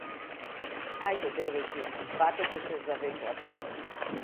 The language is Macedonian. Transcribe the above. Ајде девојки фатете се за веслата.